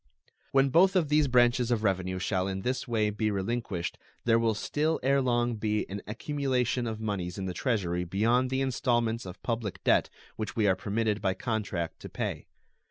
When both of these branches of revenue shall in this way be relinquished there will still ere long be an accumulation of moneys in the Treasury beyond the installments of public debt which we are permitted by contract to pay.